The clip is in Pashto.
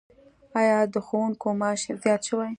آیا د ښوونکو معاش زیات شوی؟